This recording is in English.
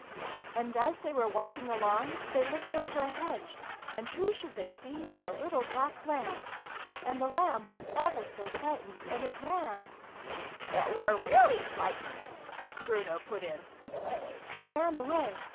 " And, as they were walking along, they looked over a hedge, and who should they see but a little black Lamb ! And the Lamb was ever so frightened. And it ran "" It were really flightened !" Bruno put in. " It ran away.